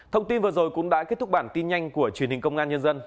thông tin vừa rồi cũng đã kết thúc bản tin nhanh của truyền hình công an nhân dân